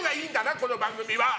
この番組は！